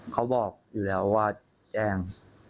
เขาบอกอยู่แล้วว่าแจ้ง